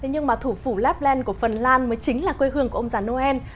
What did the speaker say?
nhưng mà thủ phủ labland của phần lan mới chính là quê hương của ông già noel